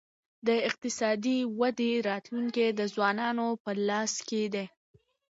د اقتصادي ودې راتلونکی د ځوانانو په لاس کي دی.